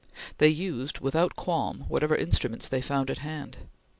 They used, without qualm, whatever instruments they found at hand.